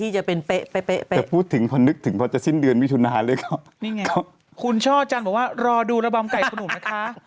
ช่อจันทร์บอกว่ารอดูระบำไก่ก็หนูนะคะ